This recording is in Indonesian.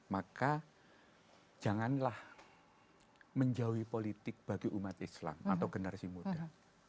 maka janganlah menjauhi politik bagi umat islam atau generasi muda